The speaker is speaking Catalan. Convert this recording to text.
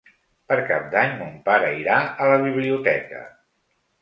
Per Cap d'Any mon pare irà a la biblioteca.